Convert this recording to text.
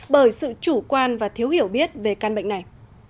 bởi sự chủ quan và thiếu hiểu biết về căn bệnh này